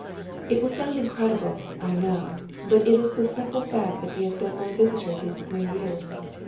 It will sound incredible, I know, but it is the simple fact that he has been my visitor these three years.